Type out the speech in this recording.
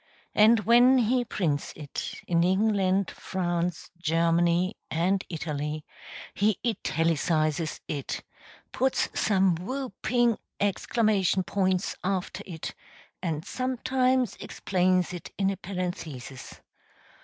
And when he prints it, in England, France, Germany, and Italy, he italicizes it, puts some whooping exclamation points after it, and sometimes explains it in a parenthesis.